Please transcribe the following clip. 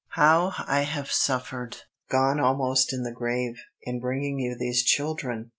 How I have suffered, gone almost in the grave, in bringing you these children!